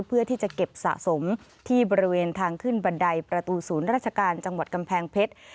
เพื่อที่จะเก็บสะสมที่บริเวณทางขึ้นบันไดประตูศูนย์ราชการจังหวัดกำแพงเพชร